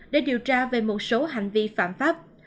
để điều tra về một số hành vi phạm pháp